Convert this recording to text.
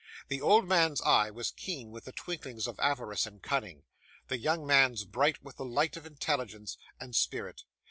The old man's eye was keen with the twinklings of avarice and cunning; the young man's bright with the light of intelligence and spirit.